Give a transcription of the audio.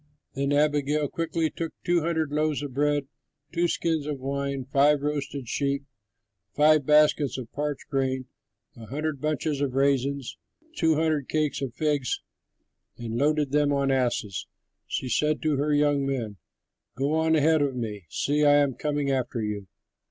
Then Abigail quickly took two hundred loaves of bread, two skins of wine, five roasted sheep, five baskets of parched grain, a hundred bunches of raisins, and two hundred cakes of figs, and loaded them on asses. She said to her young men, "Go on ahead of me; see, I am coming after you."